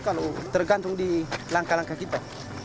kalau tergantung di langkah langkah kita